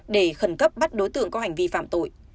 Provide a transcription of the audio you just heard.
để khẩn cấp bắt đối tượng có hành vi phạm tội